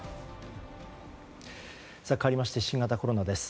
かわりまして新型コロナです。